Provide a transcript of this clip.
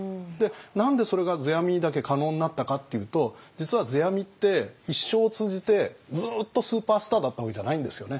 何でそれが世阿弥にだけ可能になったかっていうと実は世阿弥って一生を通じてずっとスーパースターだったわけじゃないんですよね。